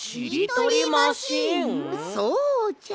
そうじゃ。